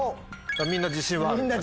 みんな自信はあるんだね。